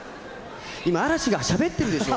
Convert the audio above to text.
今嵐がしゃべってるでしょ！